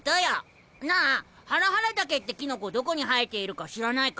なあハラハラ茸ってきのこどこに生えているか知らないか？